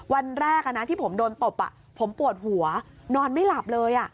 วันแรกที่ผมโดนตบผมปวดหัวนอนไม่หลับเลย